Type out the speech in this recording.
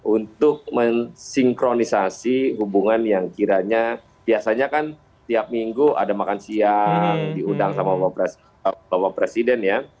untuk mensinkronisasi hubungan yang kiranya biasanya kan tiap minggu ada makan siang diundang sama bapak presiden ya